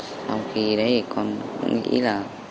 sau khi đấy thì con nghĩ là